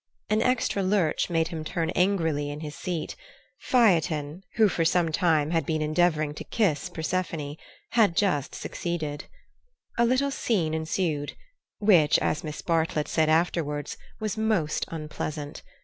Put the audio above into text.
An extra lurch made him turn angrily in his seat. Phaethon, who for some time had been endeavouring to kiss Persephone, had just succeeded. A little scene ensued, which, as Miss Bartlett said afterwards, was most unpleasant.